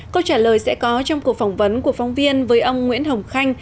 câu trả lời sẽ có trong cuộc phỏng vấn của phóng viên với ông nguyễn hồng khanh